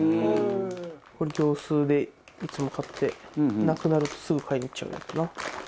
これ業スーでいつも買ってなくなるとすぐ買いに行っちゃうやつな。